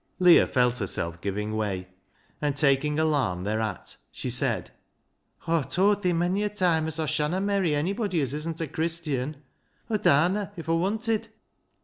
Leah felt herself giving \va\', and taking alarm thereat, she said —" Aw've towd thi mony a toime as Aw shanna merry onybody as isn't a Christian. Aw darna if Aw wanted.